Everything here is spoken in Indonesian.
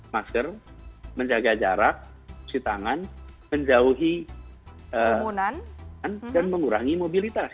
masker menjaga jarak cuci tangan menjauhi dan mengurangi mobilitas